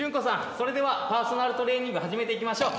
それではパーソナルトレーニング始めていきましょう